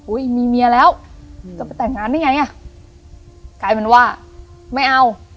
มีเมียแล้วก็ไปแต่งงานได้ไงอ่ะกลายเป็นว่าไม่เอา